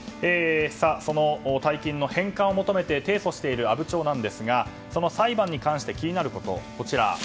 その大金の返還を求めて提訴している阿武町なんですがその裁判に関して気になること。